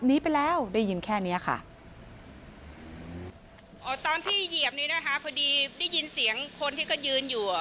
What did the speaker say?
ที่เหยียบนี้นะคะพอดีได้ยินเสียงคนที่ก็ยืนอยู่